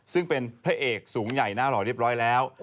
ซึ่งเป็นพระเอกสูงใหญ่หน้าหล่อเรียบร้อยแล้ว